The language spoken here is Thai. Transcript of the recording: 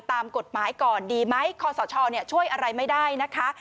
ตามกฎหมายก่อนดีไหมคอสชช่วยอะไรไม่ได้นะคะ